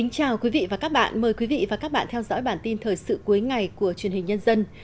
chào mừng quý vị đến với bản tin thời sự cuối ngày của truyền hình nhân dân